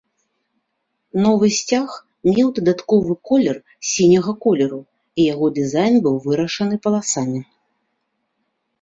Новы сцяг меў дадатковы колер сіняга колеру і яго дызайн быў вырашаны паласамі.